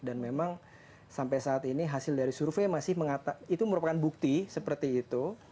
dan memang sampai saat ini hasil dari survei masih mengatakan itu merupakan bukti seperti itu